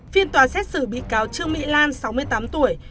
phiên tòa xét xử bị cáo trương mỹ lan sáu mươi tám tuổi